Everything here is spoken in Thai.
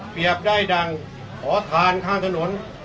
ได้ดังขอทานข้างถนน